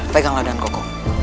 peganglah dengan kokoh